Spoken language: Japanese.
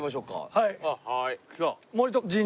はい。